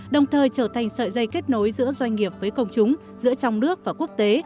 đồng thời trở thành sợi dây kết nối giữa doanh nghiệp với công chúng giữa trong nước và quốc tế